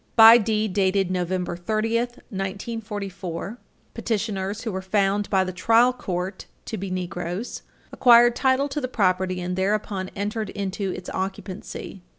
By deed dated November 30, 1944, petitioners, who were found by the trial court to be Negroes, acquired title to the property, and thereupon entered into its occupancy.